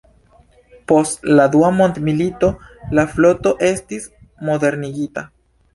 Post la Dua mondmilito, la floto estis modernigita.